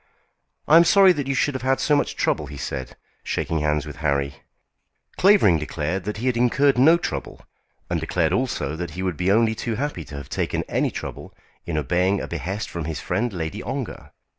"I am sorry that you should have had so much trouble," he said, shaking hands with Harry. Clavering declared that he had incurred no trouble, and declared also that he would be only too happy to have taken any trouble in obeying a behest from his friend Lady Ongar.